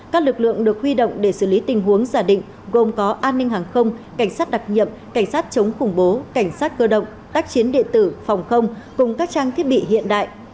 các lực lượng được huy động để xử lý tình huống giả định gồm có an ninh hàng không cảnh sát đặc nhiệm cảnh sát chống khủng bố cảnh sát cơ động tác chiến địa tử phòng không cùng các trang thiết bị hiện đại